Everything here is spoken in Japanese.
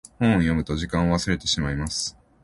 本を読むと時間を忘れてしまいます。